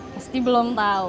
pasti belum tau